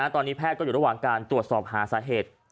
ตอนนี้แพทย์ก็อยู่ระหว่างการตรวจสอบหาสาเหตุ